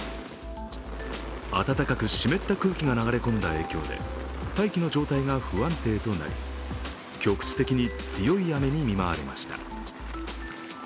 温かく湿った空気が流れ込んだ影響で大気の状態が不安定となり局地的に強い雨に見舞われました。